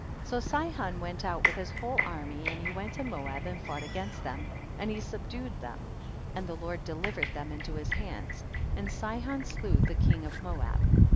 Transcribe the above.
17. So Sihon went out with his whole army, and he went to Moab and fought against them, and he sub dued them, and the Lord delivered them into his hands, and Sihon slew the king of Moab.